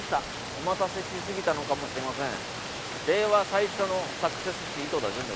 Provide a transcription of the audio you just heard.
お待たせしすぎたのかもしれません。